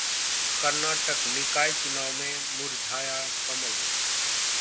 कर्नाटक: निकाय चुनाव में मुरझाया 'कमल'